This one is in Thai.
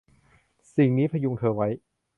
สิ่งนี้พยุงเธอไว้